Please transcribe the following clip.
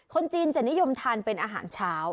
คนจีนจะนิยมทานเป็นอาหารเช้า